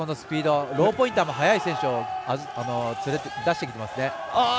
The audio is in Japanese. ローポインターも速い選手を出してきていますね。